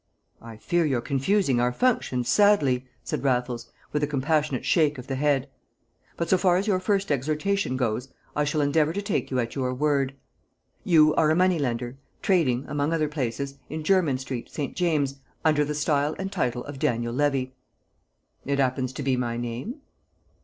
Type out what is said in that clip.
"I fear you're confusing our functions sadly," said Raffles, with a compassionate shake of the head. "But so far as your first exhortation goes, I shall endeavour to take you at your word. You are a money lender trading, among other places, in Jermyn Street, St. James's, under the style and title of Daniel Levy." "It 'appens to be my name."